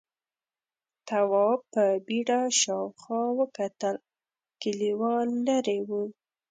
تواب په بيړه شاوخوا وکتل، کليوال ليرې و: